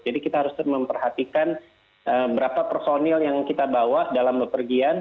jadi kita harus memperhatikan berapa personil yang kita bawa dalam pergian